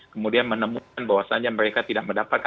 kemudian menemukan bahwasannya mereka tidak mendapatkan